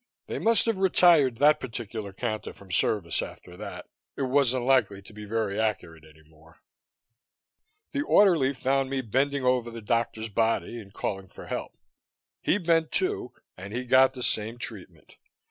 They must have retired that particular counter from service after that; it wasn't likely to be very accurate any more. The orderly found me bending over the doctor's body and calling for help. He bent, too, and he got the same treatment.